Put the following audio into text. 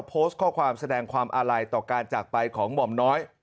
โพสต์ข้อความแสดงความอาลัยต่อการจากไปของหม่อมน้อย